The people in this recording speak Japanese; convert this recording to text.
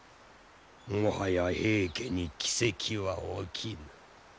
もはや平家に奇跡は起きぬ。